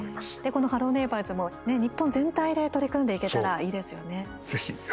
この「ハロー！ネイバーズ」も日本全体で取り組んでいけたらいいですよね。